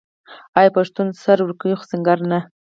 آیا پښتون سر ورکوي خو سنګر نه؟